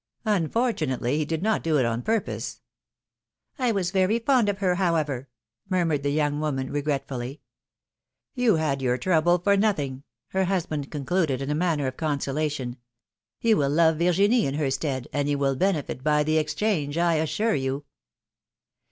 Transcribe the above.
Unfortunately, he did not do it on purpose.'' I was very fond of her, however," murmured the young woman, regretfully. ^^You had your trouble for nothing!" her husband concluded in manner of eonsolation. ^'You will love Virginie in her stead, and you will benefit by the exchange, I assure you."